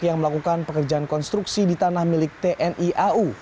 yang melakukan pekerjaan konstruksi di tanah milik tni au